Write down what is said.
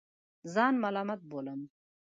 ځان ملامت بولم.